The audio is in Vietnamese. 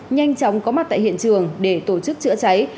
nhanh chóng có mặt tại hiện trường để tổ chức chữa cháy